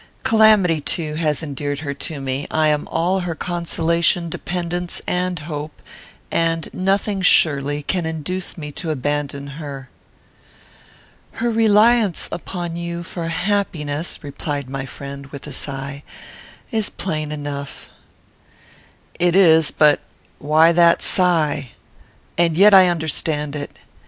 Calamity, too, has endeared her to me; I am all her consolation, dependence, and hope, and nothing, surely, can induce me to abandon her." "Her reliance upon you for happiness," replied my friend, with a sigh, "is plain enough." "It is; but why that sigh? And yet I understand it.